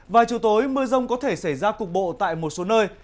và chiều tối mưa rông có thể xảy ra cục bộ tại một số nơi